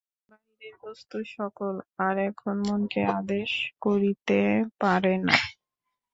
বাহিরের বস্তু-সকল আর এখন মনকে আদেশ করিতে পারে না।